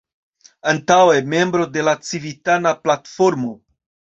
Antaŭe membro de la Civitana Platformo.